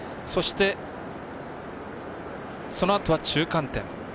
そして、そのあとは中間点。